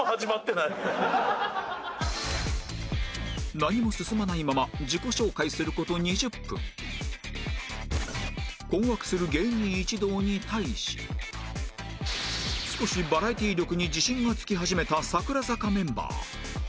何も進まないまま困惑する芸人一同に対し少しバラエティ力に自信がつき始めた櫻坂メンバー